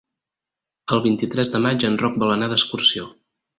El vint-i-tres de maig en Roc vol anar d'excursió.